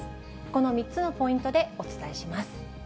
この３つのポイントでお伝えします。